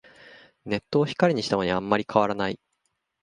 ネットを光にしたのにあんまり変わらない